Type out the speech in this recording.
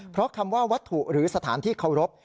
เพราะคำว่าวัตถุหรือสถานที่เคารพ